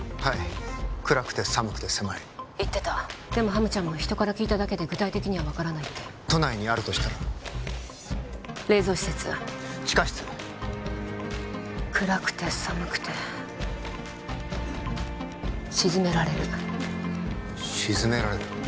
はい暗くて寒くて狭い☎言ってたでもハムちゃんも人から聞いただけで具体的には分からないって都内にあるとしたら冷蔵施設地下室暗くて寒くて沈められる沈められる？